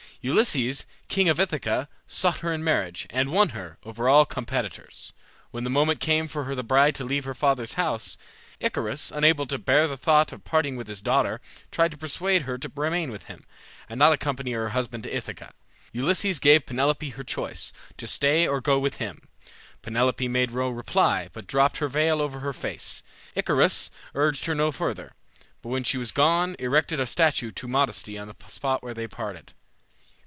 Ulysses, king of Ithaca, sought her in marriage, and won her, over all competitors. When the moment came for the bride to leave her father's house, Icarius, unable to bear the thoughts of parting with his daughter, tried to persuade her to remain with him, and not accompany her husband to Ithaca. Ulysses gave Penelope her choice, to stay or go with him. Penelope made no reply, but dropped her veil over her face. Icarius urged her no further, but when she was gone erected a statue to Modesty on the spot where they parted.